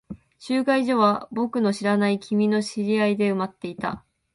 集会所は僕の知らない君の知り合いで埋まっていた。